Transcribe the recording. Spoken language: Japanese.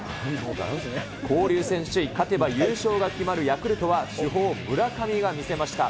交流戦首位、勝てば優勝が決まるヤクルトは、主砲村上が見せました。